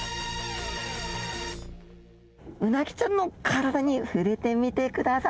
うなぎちゃんの体に触れてみてください。